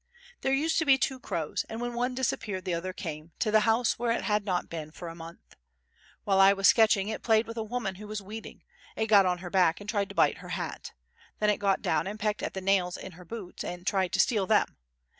There used to be two crows, and when one disappeared the other came to the house where it had not been for a month. While I was sketching it played with a woman who was weeding; it got on her back and tried to bite her hat; then it got down and pecked at the nails in her boots and tried to steal them.